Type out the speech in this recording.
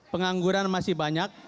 pengangguran masih banyak